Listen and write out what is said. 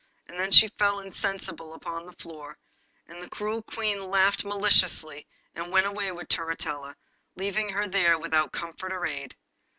and then she fell insensible upon the floor, and the cruel Queen laughed maliciously, and went away with Turritella, leaving her there without comfort or aid.